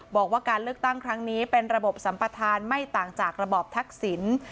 บอกว่าการเลือกตั้งครั้งนี้เป็นระบบสัมปทานไม่ต่างจากระบอบทักษิณ